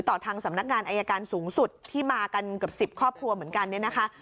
ต่อทางสำนักงานอายการสูงสุดที่มากันเกือบ๑๐ครอบครัวเหมือนกันเนี่ยนะคะ